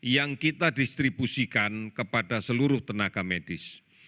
yang kita distribusikan kepada seluruh tenaga medis